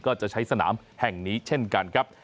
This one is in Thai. ก็จะใช้สนามแห่งนี้เช่นกันครับ